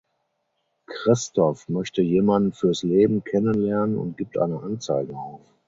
Christoph möchte Jemanden fürs Leben kennenlernen und gibt eine Anzeige auf.